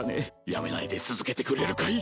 辞めないで続けてくれるかい？